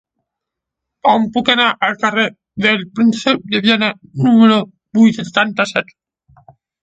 Com puc anar al carrer del Príncep de Viana número vuitanta-set?